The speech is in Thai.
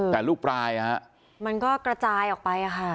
แต่ลูกปลายมันก็กระจายออกไปค่ะ